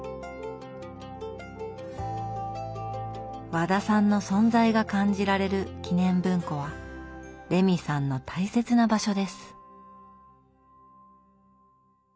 和田さんの存在が感じられる記念文庫はレミさんの大切な場所です。